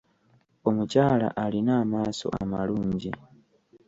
Omukyala alina amaaso amalungi.